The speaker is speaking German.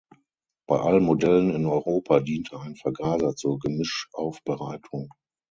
Bei allen Modellen in Europa diente ein Vergaser zur Gemischaufbereitung.